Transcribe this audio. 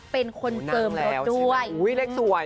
เป็นคนเกิมรถด้วยนั่งแล้วจริงหรออุ้ยเล็กสวย